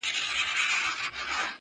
اوس كرۍ ورځ زه شاعري كومه ـ